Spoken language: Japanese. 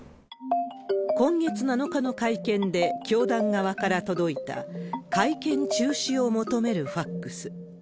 今月７日の会見で教団側から届いた、会見中止を求めるファックス。